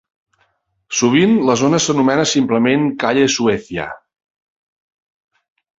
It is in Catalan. Sovint, la zona s'anomena simplement Calle Suecia.